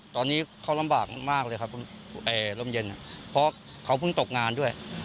ตอนนี้เขาลำบากมากเลยครับร่มเย็นเพราะเขาเพิ่งตกงานด้วย